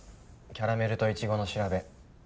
キャラメルといちごの調べ